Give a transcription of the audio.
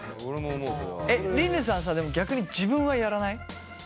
えっりぬさんさでも逆に自分はやらない？